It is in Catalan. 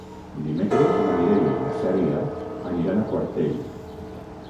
Dimecres na Mireia i na Cèlia aniran a Quartell.